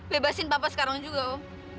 bebasin papa sekarang juga om